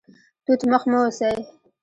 توت مخ مه اوسئ